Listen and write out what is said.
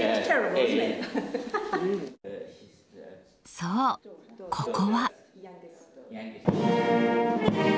そう、ここは。